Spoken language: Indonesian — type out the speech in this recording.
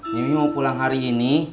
mimi mau pulang hari ini